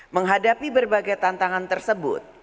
menghadapi berbagai tantangan tersebut